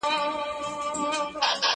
زه پرون شګه پاکه کړه؟